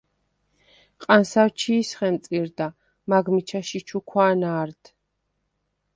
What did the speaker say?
ყანსავ ჩი̄ს ხემწირდა, მაგ მიჩა შიჩუქვა̄ნ ა̄რდ.